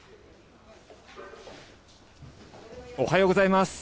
おはようございます。